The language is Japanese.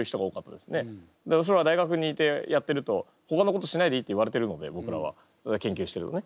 でもそれは大学にいてやってると「ほかのことしないでいい」って言われてるのでぼくらは。研究してるとね。